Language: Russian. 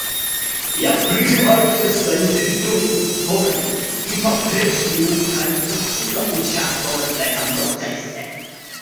Я призываю все заинтересованные стороны и по-прежнему конструктивно участвовать в этом процессе.